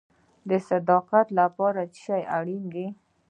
د صداقت لپاره څه شی اړین دی؟